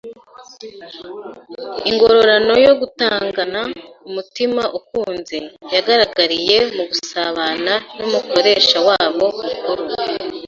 Ingororano yo gutangana umutima ukunze yagaragariye mu gusabana n’Umukoresha wabo Mukuru.